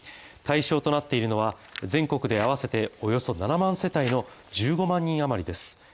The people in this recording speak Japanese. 対象となっているのは全国で合わせておよそ７万世帯の１５万人余りです。